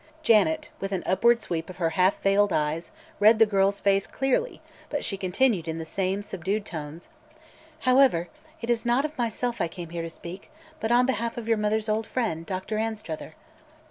Janet, with an upward sweep of her half veiled eyes, read the girl's face clearly, but she continued in the same subdued tones: "However, it is not of myself I came here to speak, but on behalf of your mother's old friend, Doctor Anstruther."